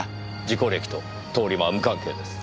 事故歴と通り魔は無関係です。